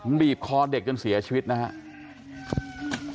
บีบคอเด็กจนเสียชีวิตนะครับ